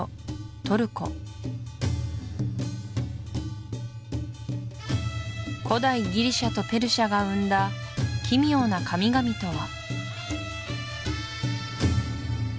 トルコ古代ギリシアとペルシアが生んだ奇妙な神々とは？